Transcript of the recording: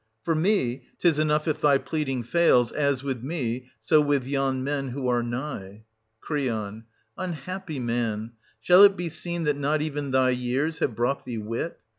For me, 'tis enough if thy pleading fails, as with me, so with yon men who are nigh. Cr. Unhappy man, shall it be seen that not even thy years have brought thee wit